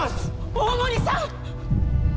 大森さん！